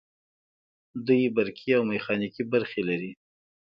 دوی برقي او میخانیکي برخې لري.